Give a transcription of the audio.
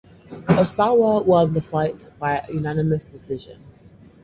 Osawa won the fight by unanimous decision.